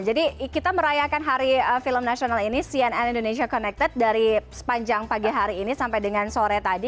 kita merayakan hari film nasional ini cnn indonesia connected dari sepanjang pagi hari ini sampai dengan sore tadi